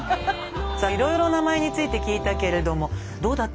さあいろいろ名前について聞いたけれどもどうだった？